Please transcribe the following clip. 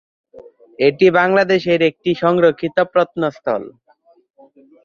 এটি বাংলাদেশের একটি সংরক্ষিত প্রত্নস্থল।